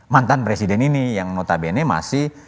mantan presiden ini yang notabene masih